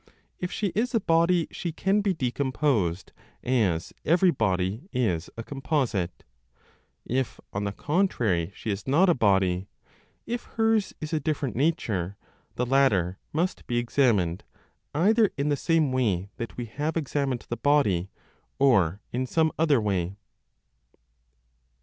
If she is a body, she can be decomposed, as every body is a composite. If, on the contrary, she is not a body, if hers is a different nature, the latter must be examined; either in the same way that we have examined the body, or in some other way.